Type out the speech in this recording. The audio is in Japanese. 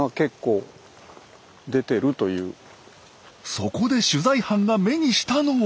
そこで取材班が目にしたのは。